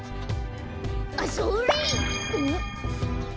あっそれ！